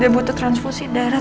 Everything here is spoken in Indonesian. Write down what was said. dia buat transfusi darah